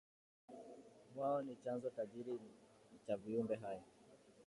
Wao ni chanzo tajiri cha viumbe hai